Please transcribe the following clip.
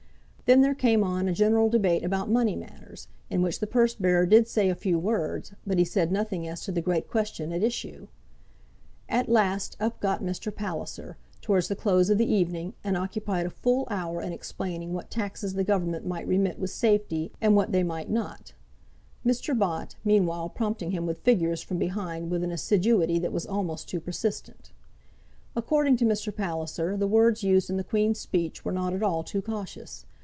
Then there came on a general debate about money matters, in which the purse bearer did say a few words, but he said nothing as to the great question at issue. At last up got Mr. Palliser, towards the close of the evening, and occupied a full hour in explaining what taxes the Government might remit with safety, and what they might not, Mr. Bott, meanwhile, prompting him with figures from behind with an assiduity that was almost too persistent. According to Mr. Palliser, the words used in the Queen's Speech were not at all too cautious.